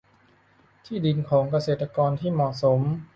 ที่ดินของเกษตรกรที่เหมาะสม